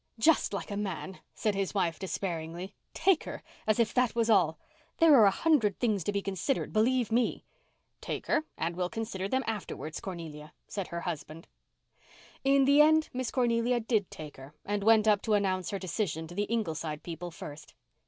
"Just like a man," said his wife, despairingly. "'Take her'—as if that was all. There are a hundred things to be considered, believe me." "Take her—and we'll consider them afterwards, Cornelia," said her husband. In the end Miss Cornelia did take her and went up to announce her decision to the Ingleside people first.